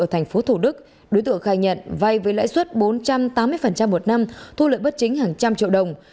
ở thành phố thủ đức đối tượng khai nhận vay với lãi suất bốn trăm tám mươi một năm thu lợi bất chính hàng trăm triệu đồng